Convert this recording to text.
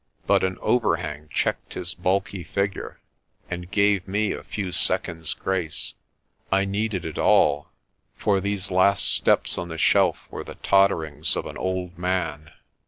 But an overhang checked his bulky figure and gave me a few seconds' grace. I needed it all, for these last steps on the shelf were the tot terings of an old man.